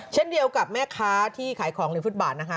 เช่นเดียวกับแม่ค้าที่ขายของริมฟุตบาทนะคะ